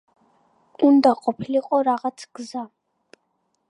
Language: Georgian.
უნდა ყოფილიყო რაღაც გზა.